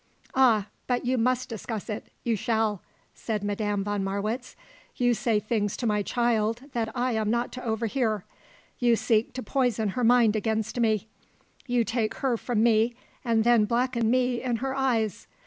"Ah, but you must discuss it; you shall," said Madame von Marwitz. "You say things to my child that I am not to overhear. You seek to poison her mind against me. You take her from me and then blacken me in her eyes.